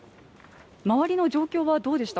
周りの状況はどうでした？